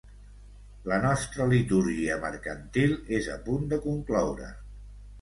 La nostra litúrgia mercantil és a punt de concloure.